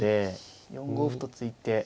４五歩と突いて。